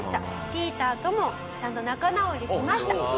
ピーターともちゃんと仲直りしました。